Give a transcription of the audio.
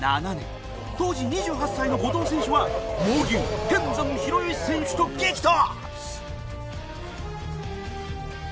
当時２８歳の後藤選手は猛牛天山広吉選手と激突！